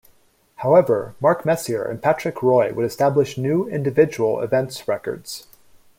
However, Mark Messier and Patrick Roy would establish new individual events records.